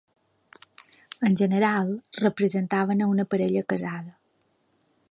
En general, representaven a una parella casada.